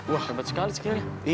wah hebat sekali sekiranya